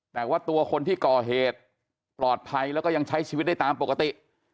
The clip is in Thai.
แต่ว่าตัวคนที่ก่อเหตุปลอดภัยแล้วก็ยังใช้ชีวิตได้ตามปกติ